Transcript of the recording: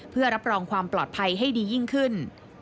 เพื่อรับรองความปลอดภัยให้ดียิ่งขึ้น